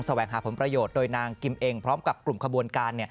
แหวงหาผลประโยชน์โดยนางกิมเองพร้อมกับกลุ่มขบวนการ